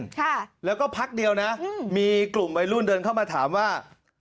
ค่ะแล้วก็พักเดียวนะอืมมีกลุ่มวัยรุ่นเดินเข้ามาถามว่า